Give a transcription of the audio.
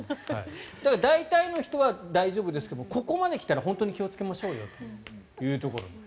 だから、大体の人は大丈夫ですけどここまで来たら本当に気をつけましょうよというところになります。